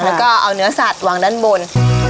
แล้วก็เอาเนื้อสัตว์วางด้านบน